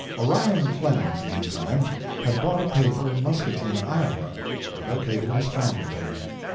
Orion Clemens, meantime, had bought a paper in Muscatine, Iowa, and located the family there.